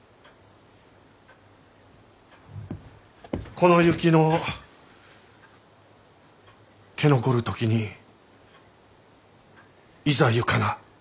「この雪の消残る時にいざ行かな」。